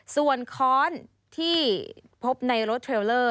ส่วนค้อนที่พบในรถเทรลเลอร์